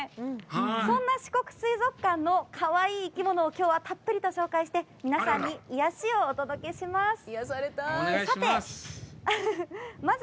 そんな四国水族館のかわいい生き物をを、きょうはたっぷりお届けして皆さんに癒やしをお届けします。